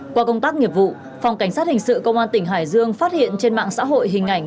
qua công tác nghiệp vụ phòng cảnh sát hình sự công an tỉnh hải dương phát hiện trên mạng xã hội hình ảnh